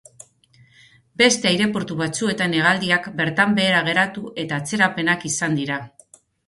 Beste aireportu batzuetan hegaldiak bertan behera geratu eta atzerapenak izan dira.